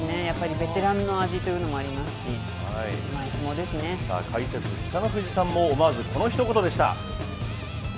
やっぱりベテランの味というのも解説、北の富士さんも思わずこのひと言でした。